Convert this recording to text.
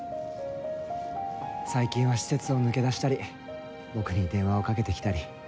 最近は施設を抜け出したり僕に電話をかけてきたり。